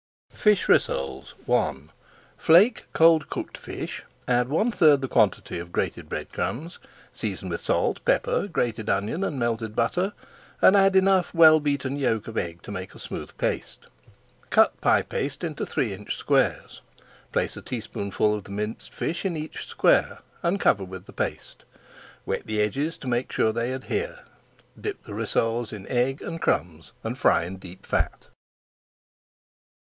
FISH RISSOLES I Flake cold cooked fish, add one third the quantity of grated bread crumbs, season with salt, pepper, grated onion, and melted butter, and add enough well beaten yolk of egg to make a smooth [Page 481] paste. Cut pie paste into three inch squares. Place a teaspoonful of the minced fish in each square and cover with the paste. Wet the edges to make sure they adhere. Dip the rissoles in egg and crumbs, and fry in deep fat.